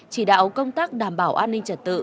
chỉ đạo công tác đảm bảo an ninh trật tự